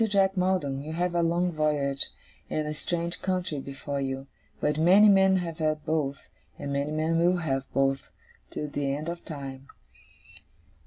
Jack Maldon, you have a long voyage, and a strange country, before you; but many men have had both, and many men will have both, to the end of time.